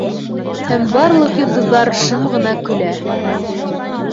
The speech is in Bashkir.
Һәм барлыҡ йондоҙҙар шым ғына көлә.